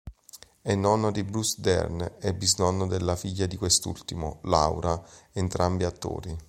È nonno di Bruce Dern e bisnonno della figlia di quest'ultimo, Laura, entrambi attori.